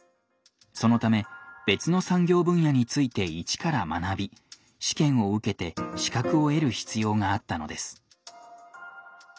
そのため別の産業分野について一から学び試験を受けて資格を得る必要があったのです。